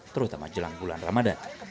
terutama jelang bulan ramadan